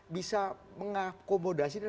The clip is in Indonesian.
bisa mengakomodasi dan